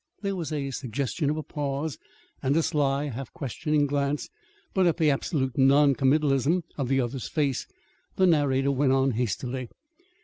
There was a suggestion of a pause, and a sly, half questioning glance; but at the absolute non committalism of the other's face, the narrator went on hastily.